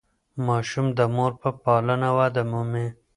ماشومان د مور په پالنه وده مومي.